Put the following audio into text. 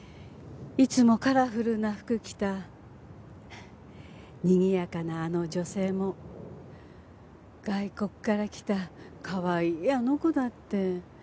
いつもカラフルな服着たにぎやかなあの女性も外国から来たかわいいあの子だって。